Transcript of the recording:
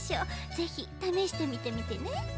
ぜひためしてみてみてね。